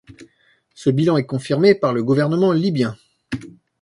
Ce bilan est confirmé par le gouvernement libyen.